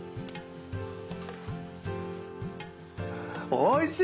おいしい！